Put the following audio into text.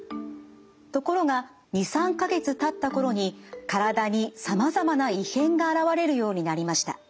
ところが２３か月たった頃に体にさまざまな異変が現れるようになりました。